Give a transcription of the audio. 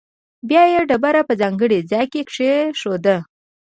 بیا یې ډبره په ځانګړي ځاې کې کېښوده.